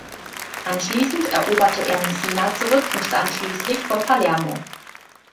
Anschließend eroberte er Messina zurück und stand schließlich vor Palermo.